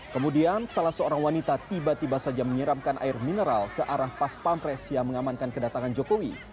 kemudian salah seorang wanita tiba tiba saja menyiramkan air mineral ke arah pas pampres yang mengamankan kedatangan jokowi